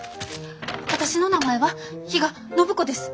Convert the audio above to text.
私の名前は比嘉暢子です。